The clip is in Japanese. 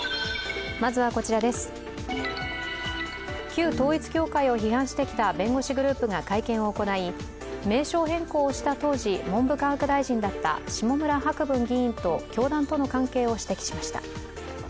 旧統一教会を批判してきた弁護士グループが会見を行い、名称変更をした当時、文科大臣だった下村博文議員と教団との関係を指摘しました。